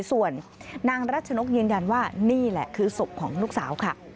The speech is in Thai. ส่วนนางรัชนกยืนยันว่านี่แหละคือศพของลูกสาวค่ะ